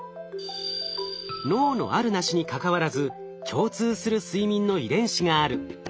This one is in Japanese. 脳のあるなしにかかわらず共通する睡眠の遺伝子がある。